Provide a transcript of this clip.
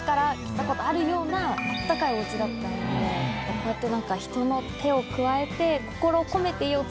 こうやって。